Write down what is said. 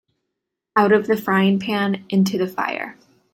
Out of the frying-pan into the fire.